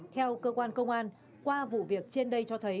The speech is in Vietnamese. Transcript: theo cơ quan công an qua vụ việc trên đây cho thấy